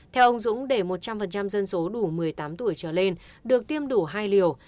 theo ông dũng để một trăm linh dân số đủ một mươi tám tuổi trở lên được tiêm đủ hai liều